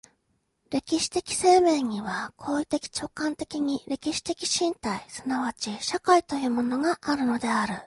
歴史的生命には行為的直観的に歴史的身体即ち社会というものがあるのである。